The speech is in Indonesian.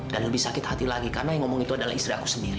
dan lebih sakit hati lagi karena yang ngomong itu adalah istri aku sendiri